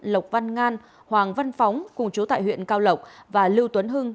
lộc văn ngan hoàng văn phóng cùng chú tại huyện cao lộc và lưu tuấn hưng